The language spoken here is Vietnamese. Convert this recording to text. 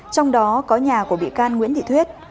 trong đó có nhà của bị can nguyễn thị thuyết